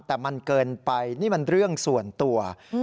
แต่มันเกินไปนี่มันเรื่องส่วนตัว